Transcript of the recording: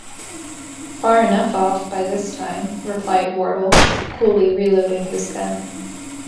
‘Far enough off, by this time,’ replied Wardle, coolly reloading his gun.